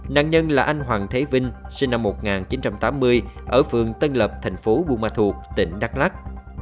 nạn nhân là anh hoàng thế vinh sinh năm một nghìn chín trăm tám mươi ở phương tân lập thành phố bùa ma thuộc tỉnh đắk lắc